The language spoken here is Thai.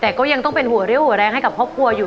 แต่ก็ยังต้องเป็นหัวเรี่ยวหัวแรงให้กับครอบครัวอยู่